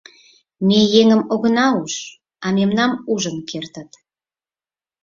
Ме еҥым огына уж, а мемнам ужын кертыт».